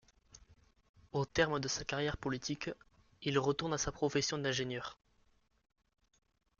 Au terme de sa carrière politique, il retourne à sa profession d'ingénieur.